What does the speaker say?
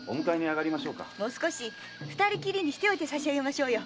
もう少し二人きりにしてさしあげましょうよ。